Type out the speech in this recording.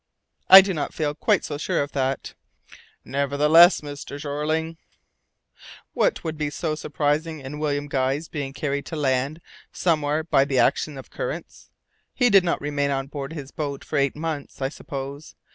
"I do not feel quite so sure of that." Nevertheless, Mr. Jeorling " "What would there be so surprising in William Guy's being carried to land somewhere by the action of the currents? He did not remain on board his boat for eight months, I suppose.